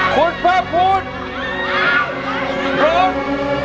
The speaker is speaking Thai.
คุณพระภูนิร้อง